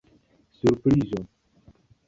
Surprizo.